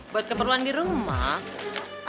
buat keperluan di rumah